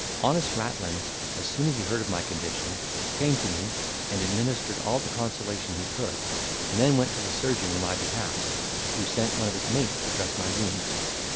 Honest Rattlin, as soon as he heard of my condition, came to me, and administered all the consolation he could, and then went to the surgeon in my behalf, who sent one of his mates to dress my wounds.